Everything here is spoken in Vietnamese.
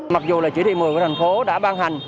mặc dù là chỉ thị một mươi của thành phố đã ban hành